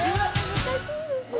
難しいですよ